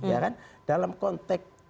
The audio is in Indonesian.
ya kan dalam konteks